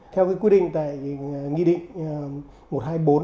theo cái quy định tại nghị định một trăm hai mươi bốn ấy